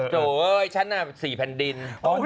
โจ๊ยฉันน่ะสี่แผ่นดิน